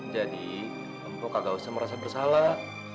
jadi lu kagak usah merasa bersalah